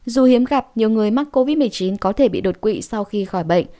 dù hiếm gặp nhiều người mắc covid một mươi chín có thể bị đột quỵ sau khi khỏi bệnh